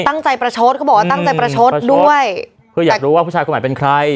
ตั้งใจประโชธิ์เขาบอกว่าตั้งใจประโชธิ์ด้วยอือประโชธิ์คืออยากรู้ว่าผู้ชายคนใหม่เป็นใคร